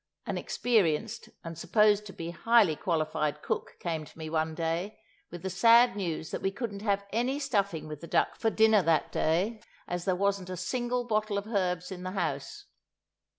An experienced and supposed to be highly qualified cook came to me one day with the sad news that we couldn't have any stuffing with the duck for dinner that day as there wasn't a single bottle of herbs in the house.